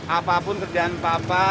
apapun kerjaan papa